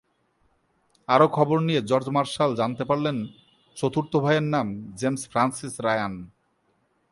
আরো খবর নিয়ে জর্জ মার্শাল জানতে পারলেন চতুর্থ ভাইয়ের নাম জেমস ফ্রান্সিস রায়ান।